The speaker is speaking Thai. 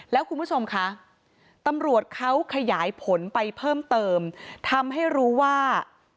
แล้วคุณผู้ชมคะตำรวจเขาขยายผลไปเพิ่มเติมทำให้รู้ว่า